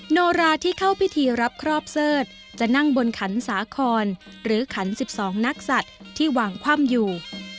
โนราที่เข้าพิธีรับครอบเสิร์ธจะนั่งบนขันสาคอนหรือขัน๑๒นักสัตว์ที่วางคว่ำอยู่